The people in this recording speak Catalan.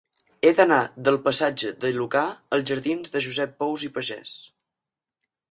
He d'anar del passatge de Lucà als jardins de Josep Pous i Pagès.